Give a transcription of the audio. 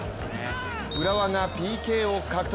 浦和がＰＫを獲得。